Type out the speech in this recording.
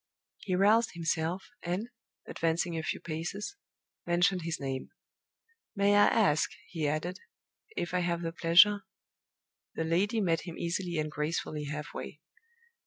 He roused himself, and, advancing a few paces, mentioned his name. "May I ask," he added, "if I have the pleasure ?" The lady met him easily and gracefully half way.